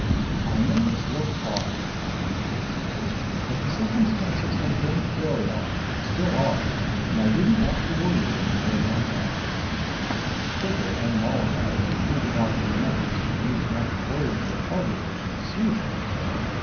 "I know it's looked odd," Commissioner Tate admitted, "but the circumstances have been very odd. Still are. And I didn't want to worry you any more than I had to." Trigger, unmollified, pointed out that the methods he'd used not to worry her hardly had been soothing.